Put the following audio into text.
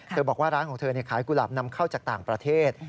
บอกว่าร้านของเธอขายกุหลาบนำเข้าจากต่างประเทศ